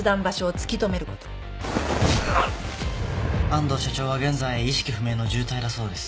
安藤社長は現在意識不明の重体だそうです。